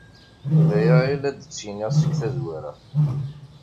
D aya ay la d-ttiniɣ seg tazwara.